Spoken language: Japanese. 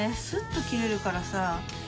スッと切れるからさ